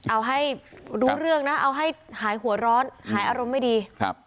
เอาให้รู้เรื่องนะเอาให้หายหัวร้อนหายอารมณ์ไม่ดีครับ